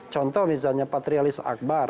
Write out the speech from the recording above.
contoh misalnya patrialis akbar